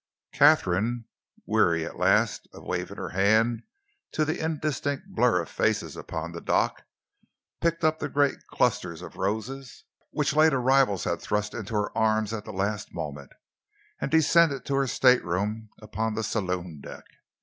Katharine, weary at last of waving her hand to the indistinct blur of faces upon the dock, picked up the great clusters of roses which late arrivals had thrust into her arms at the last moment, and descended to her stateroom upon the saloon deck.